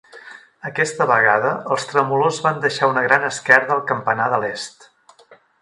Aquesta vegada, els tremolors van deixar una gran esquerda al campanar de l'est.